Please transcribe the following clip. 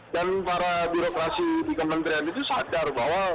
dan para birokrasi di kementerian itu sadar bahwa